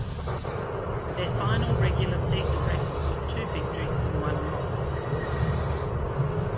Their final regular season record was two victories and one loss.